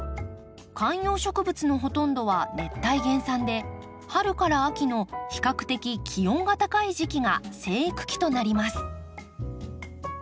観葉植物のほとんどは熱帯原産で春から秋の比較的気温が高い時期が生育期となります。